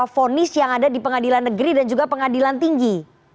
fonis yang ada di pengadilan negeri dan juga pengadilan tinggi